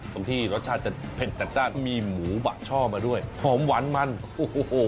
ตรงที่รสชาติจะเผ็ดจัดจ้านมีหมูบะช่อมาด้วยหอมหวานมันโอ้โห